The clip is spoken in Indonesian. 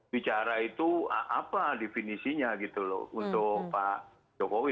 bicara itu apa definisinya gitu loh untuk pak jokowi